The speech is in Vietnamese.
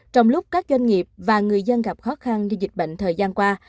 trong lúc các doanh nghiệp và người dân gặp khó khăn do dịch bệnh thời gian qua